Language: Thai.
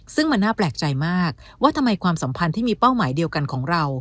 ซึ่งมันน่าแปลกใจมากว่าทำไมความสัมพันธ์ที่มีเป้าหมายเดียวกันของเรา